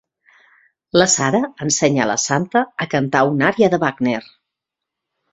La Sarah ensenya la Santa a cantar una ària de Wagner.